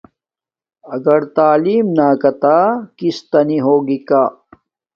اگر تعلم ناکاتہ کستا نی ہو گا کا